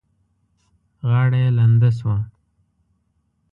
غاړه يې لنده شوه.